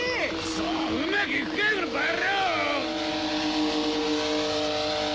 そううまくいくかこのバカ野郎！